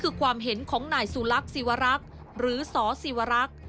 คือความเห็นของนายสุรักษีวรักษ์หรือสศิวรักษ์